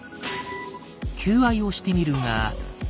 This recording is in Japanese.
求愛をしてみるが。